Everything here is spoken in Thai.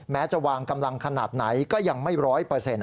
แม้จะวางกำลังขนาดไหนก็ยังไม่ร้อยเปอร์เซ็นต